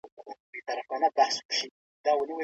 ظلم په محکمه کي